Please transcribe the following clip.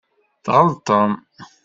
Tɣelṭem.